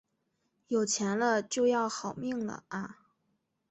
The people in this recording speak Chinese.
有钱了就要好命了啊